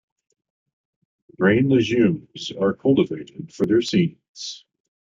Grain legumes are cultivated for their seeds.